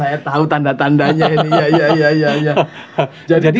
saya tahu tanda tandanya ini ya ya ya ya ya